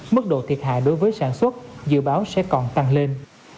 mức độ thiệt hại đối với sản xuất dự báo sẽ còn tăng lên